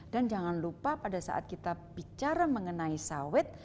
dan jangan lupa pada saat kita bicara mengenai sawit